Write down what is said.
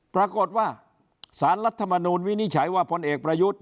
ปรากฏว่าสารรัฐมนูลวินิจฉัยว่าพลเอกประยุทธ์